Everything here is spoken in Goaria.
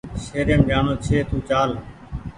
شهريم جاڻو ڇي تو چال